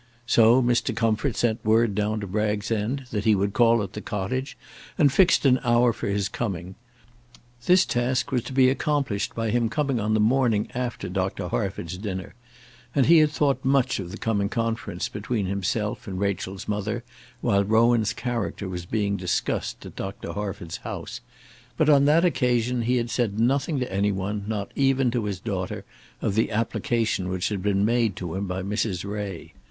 So Mr. Comfort sent word down to Bragg's End that he would call at the cottage, and fixed an hour for his coming. This task was to be accomplished by him on the morning after Dr. Harford's dinner; and he had thought much of the coming conference between himself and Rachel's mother while Rowan's character was being discussed at Dr. Harford's house: but on that occasion he had said nothing to any one, not even to his daughter, of the application which had been made to him by Mrs. Ray.